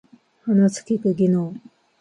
話す聞く技能